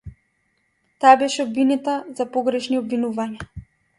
Таа беше обвинета за погрешни обвинувања.